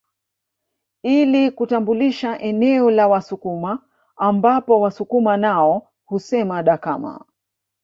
Ili kutambulisha eneo la Wasukuma ambapo Wasukuma nao husema dakama